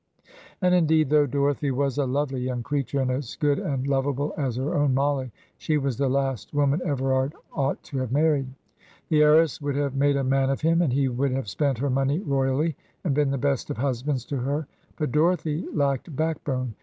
And, indeed, though Dorothy was a lovely young creature, and as good and lovable as her own Mollie, she was the last woman Everard ought to have married. The heiress would have made a man of him, and he would have spent her money royally and been the best of husbands to her; but Dorothy lacked backbone.